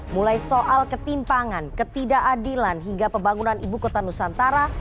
mulai soal ketimpangan ketidakadilan hingga pembangunan ibu kota nusantara